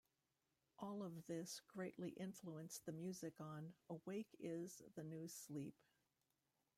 All of this greatly influenced the music on "Awake Is The New Sleep".